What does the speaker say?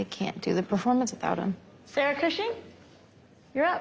えっ？